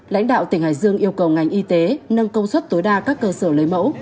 lãnh đạo tỉnh hải dương yêu cầu ngành y tế nâng công suất tối đa các cơ sở lấy mẫu